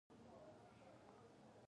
قاضیان یې عام خلک دي.